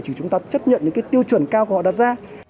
chứ chúng ta chấp nhận những cái tiêu chuẩn cao của họ đặt ra